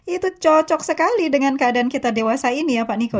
itu cocok sekali dengan keadaan kita dewasa ini ya pak niko